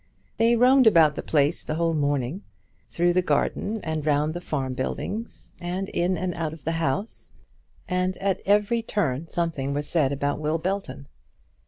They roamed about the place the whole morning, through the garden and round the farm buildings, and in and out of the house; and at every turn something was said about Will Belton.